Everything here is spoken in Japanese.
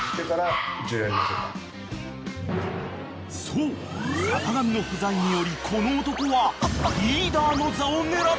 ［そう坂上の不在によりこの男は］